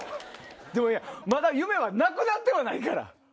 でもまだ「夢」はなくなってはないから。